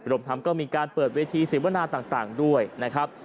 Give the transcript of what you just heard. รวมทั้งก็มีการเปิดเวทีเสวนาต่างด้วยนะครับ